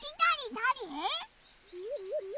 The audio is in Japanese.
だれ？